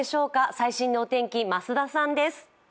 最新のお天気、増田さんです。